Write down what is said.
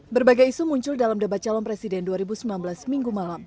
berbagai isu muncul dalam debat calon presiden dua ribu sembilan belas minggu malam